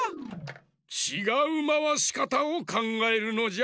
ちがうまわしかたをかんがえるのじゃ。